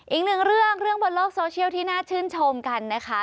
อีกหนึ่งเรื่องเรื่องบนโลกโซเชียลที่น่าชื่นชมกันนะคะ